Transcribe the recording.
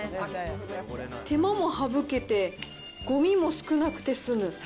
手間も省けてごみも少なくて済む。